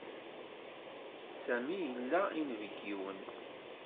Sami ila inebgiwen.